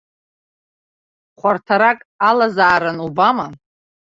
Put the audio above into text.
Хәарҭарак алазаарын убама!